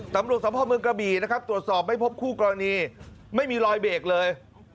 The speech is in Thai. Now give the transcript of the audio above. ตำรวจสมองเมืองกระบี่ตรวจสอบไม่พบครู่กรณีไม่มีรอยเบกเลย